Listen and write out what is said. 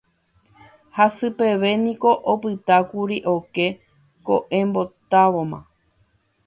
Hasy peve niko opytákuri oke koʼẽmbotávoma.